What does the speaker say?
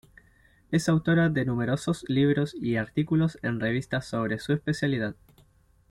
Es autora de numerosos libros y artículos en revistas sobre su especialidad.